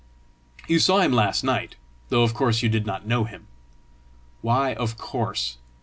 You saw him last night, though of course you did not know him." "Why OF COURSE?"